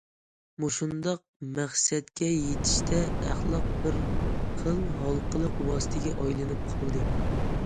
مۇشۇنداق مەقسەتكە يېتىشتە ئەخلاق بىر خىل ھالقىلىق ۋاسىتىگە ئايلىنىپ قالدى.